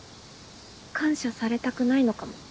感謝されたくないのかも。